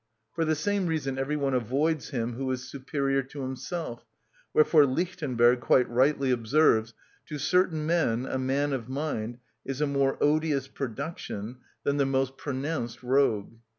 For the same reason every one avoids him who is superior to himself; wherefore Lichtenberg quite rightly observes: "To certain men a man of mind is a more odious production than the most pronounced rogue."